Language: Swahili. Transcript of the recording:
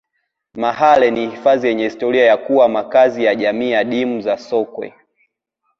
mahale ni hifadhi yenye historia ya kuwa makazi ya jamii adimu za sokwe